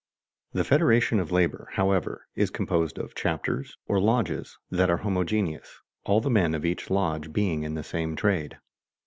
The Federation of Labor, however, is composed of chapters, or lodges, that are homogeneous, all the men of each lodge being in the same trade.